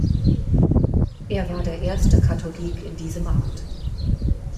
Er war der erste Katholik in diesem Amt.